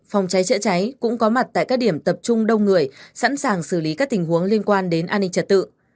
phòng cháy chữa cháy cũng có mặt tại các điểm tập trung đông người sẵn sàng xử lý các tình huống liên quan đến an ninh trật tự